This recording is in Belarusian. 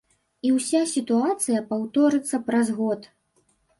І ўся сітуацыя паўторыцца праз год.